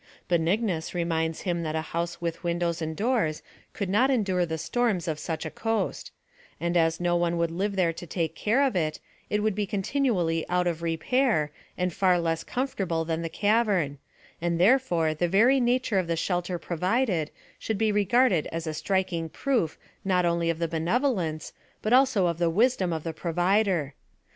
Benignus reminds him that a house with windows and doors could not endure the storms of such a coast ; and as no one would live there to take care of it, it would be continually out of repair, and far less comfortable than the cavern ; and therefore the very nature of the shelter provided should be regarded as a striking proof not only of the benevolence, but also of the wisdom of the provider.